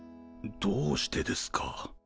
どうしてですか？